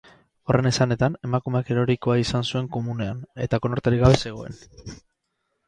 Horren esanetan, emakumeak erorikoa izan zuen komunean, eta konorterik gabe zegoen.